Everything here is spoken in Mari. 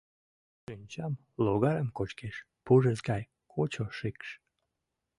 Шинчам, логарым кочкеш пурыс гай кочо шикш.